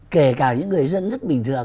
kể cả những người dân rất bình thường